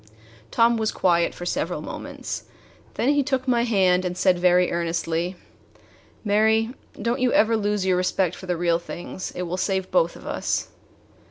Tom was quiet for several moments; then he took my hand and said very earnestly: "Mary, don't you ever lose your respect for the real things. It will save both of us."